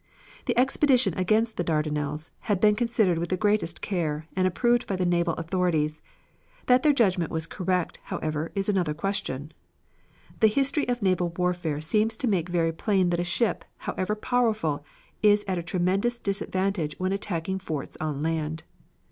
The expedition against the Dardanelles had been considered with the greatest care, and approved by the naval authorities. That their judgment was correct, however, is another question. The history of naval warfare seems to make very plain that a ship, however powerful, is at a tremendous disadvantage when attacking forts on land.